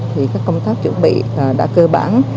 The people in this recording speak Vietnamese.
thì các công tác chuẩn bị đã cơ bản